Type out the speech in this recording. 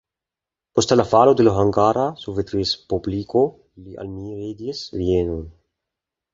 Post la falo de la Hungara Sovetrespubliko li elmigris Vienon.